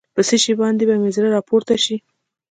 په څه شي باندې به مې زړه راپورته شي.